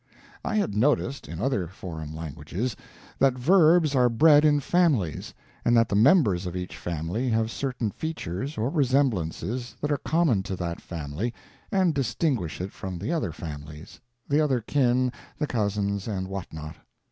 I had noticed, in other foreign languages, that verbs are bred in families, and that the members of each family have certain features or resemblances that are common to that family and distinguish it from the other families the other kin, the cousins and what not.